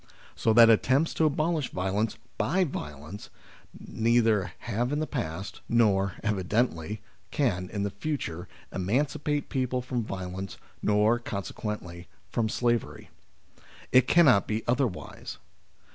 So that attempts to abolish violence by violence, neither have in the past, nor, evidently, can in the future, 103 104 THE SLAVERY OF OUR TIMES emancipate people from violence, nor, conse quently, from slavery. It cannot be otherwise.